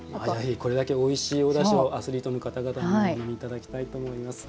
これだけおいしいおだしをアスリートの方々にお飲みいただきたいと思います。